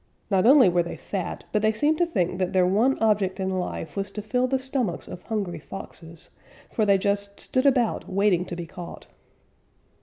Not only were they fat, but they seemed to think that their one object in life was to fill the stomachs of hungry foxes, for they just stood about waiting to be caught.